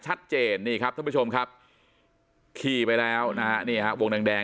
ชัดเจนนี่ครับท่านผู้ชมครับขี่ไปแล้วนะฮะนี่ฮะวงแดงแดง